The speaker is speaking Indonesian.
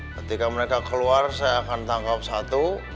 ketika mereka keluar saya akan tangkap satu